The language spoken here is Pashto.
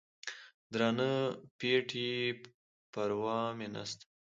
د درانه پېټي پروا مې نسته